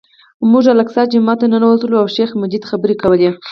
موږ الاقصی جومات ته ننوتلو او شیخ مجید خبرې کولې.